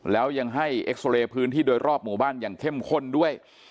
แล้วยังให้เอ็กซอเรย์พื้นที่โดยรอบหมู่บ้านอย่างเข้มข้นด้วย